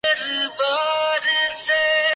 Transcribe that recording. جزائر فارو